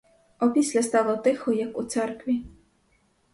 Опісля стало тихо як у церкві.